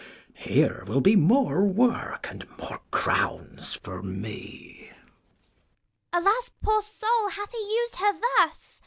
Here will be more work and more crowns for me. Ragan. Alas, poor soul, and hath he used her thus